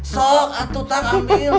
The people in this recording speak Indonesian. sok atuh tang ambil